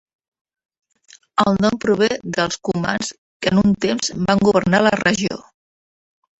El nom prové dels cumans que un temps van governar la regió.